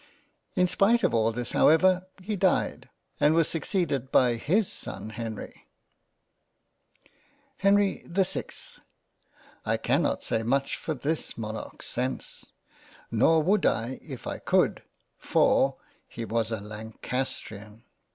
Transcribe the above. In spite of all this however he died, and was succeeded by his son Henry. 85 g JANE AUSTEN £ HENRY the 6th 1 CANNOT say much for this Monarch's sense. Nor would I if I could, for he was a Lancastrian.